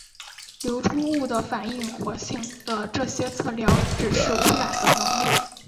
流出物的反应活性的这些测量指示污染的能力。